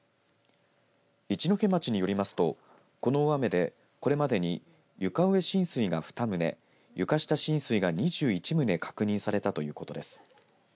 一戸町によりますと、この大雨でこれまでに床上浸水が２棟床下浸水が２１棟確認されたということです。